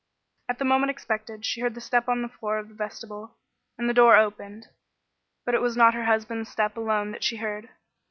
At the moment expected she heard the step on the floor of the vestibule, and the door opened, but it was not her husband's step alone that she heard.